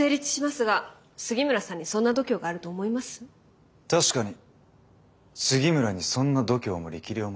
確かに杉村にそんな度胸も力量もない。